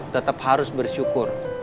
tetap harus bersyukur